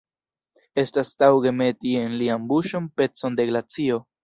Estas taŭge meti en lian buŝon pecon de glacio.